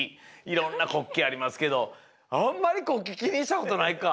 いろんな国旗ありますけどあんまりこうきにしたことないか。